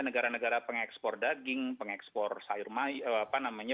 negara negara pengekspor daging pengekspor sayur apa namanya